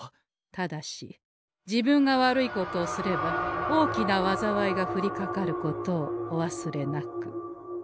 ただし自分が悪いことをすれば大きなわざわいが降りかかることをお忘れなく。